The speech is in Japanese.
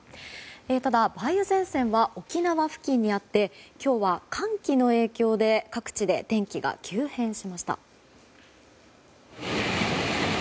ただ、梅雨前線は沖縄付近にあって今日は寒気の影響で各地で天気が急変しました。